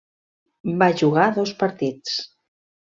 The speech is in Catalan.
Va jugar dos partits.